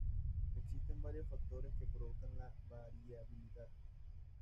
Existen varios factores que provocan la "variabilidad".